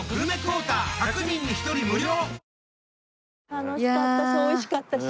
楽しかったし美味しかったし。